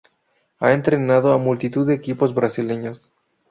Ha entrenado a multitud de equipos brasileños.